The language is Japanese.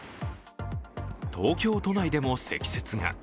東京都内でも積雪が。